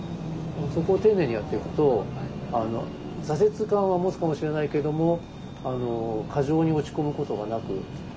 そこを丁寧にやっていくと挫折感は持つかもしれないけども過剰に落ち込むことがなく